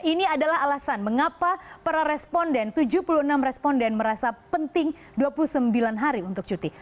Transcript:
ini adalah alasan mengapa para responden tujuh puluh enam responden merasa penting dua puluh sembilan hari untuk cuti